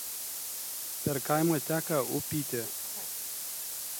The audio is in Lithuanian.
Per kaimą teka Upytė.